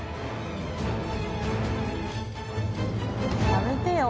やめてよ